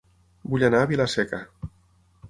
Vull anar a Vila-seca